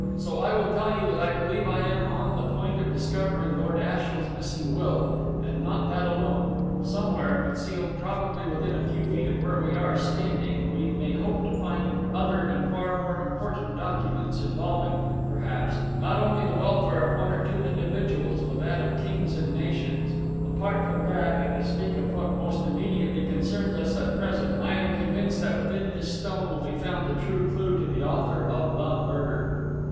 "So I will tell you that I believe I am on the point of discovering Lord Ashiel's missing will and not that alone. Somewhere, concealed probably within a few feet of where we are standing, we may hope to find other and far more important documents, involving, perhaps, not only the welfare of one or two individuals but that of kings and nations. Apart from that, and to speak of what most immediately concerns us at present, I am convinced that within this stone will be found the true clue to the author of the murder."